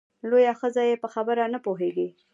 لویه ښځه یې په خبره نه پوهېږې !